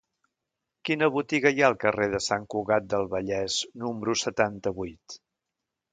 Quina botiga hi ha al carrer de Sant Cugat del Vallès número setanta-vuit?